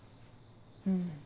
うん。